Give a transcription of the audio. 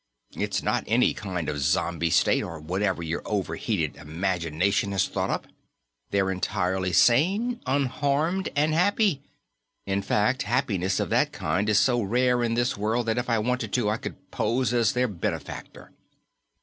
It's not any kind of zombie state, or whatever your overheated imagination has thought up. They're entirely sane, unharmed, and happy. In fact, happiness of that kind is so rare in this world that if I wanted to, I could pose as their benefactor."